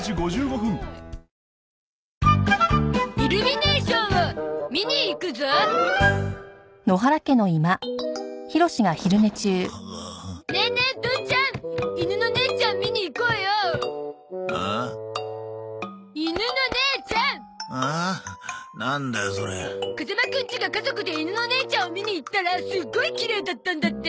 風間くんちが家族で犬のねーちゃんを見に行ったらすっごいきれいだったんだって！